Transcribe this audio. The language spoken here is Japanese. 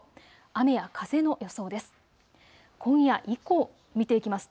雨や風の予想です。